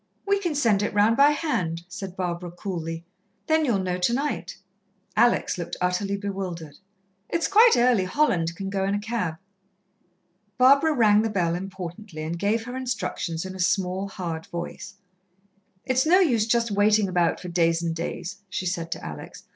"We can send it round by hand," said Barbara coolly. "Then you'll know tonight." Alex looked utterly bewildered. "It's quite early Holland can go in a cab." Barbara rang the bell importantly and gave her instructions in a small, hard voice. "It's no use just waiting about for days and days," she said to Alex.